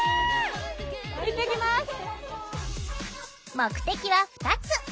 目的は２つ！